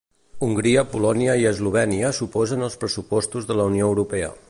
Hongria, Polònia i Eslovènia s'oposen als pressupostos de la Unió Europea.